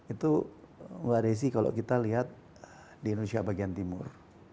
itu mbak desi kalau kita lihat di indonesia bagian timur